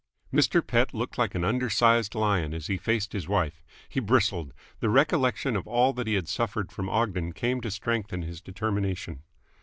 Mr. Pett looked like an under sized lion as he faced his wife. He bristled. The recollection of all that he had suffered from Ogden came to strengthen his determination.